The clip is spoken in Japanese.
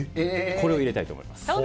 これを入れたいと思います。